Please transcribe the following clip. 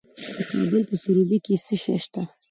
د کابل په سروبي کې څه شی شته؟